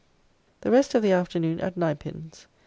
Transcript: The rest of the afternoon at ninepins.